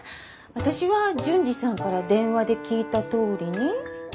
私は順次さんから電話で聞いたとおりに。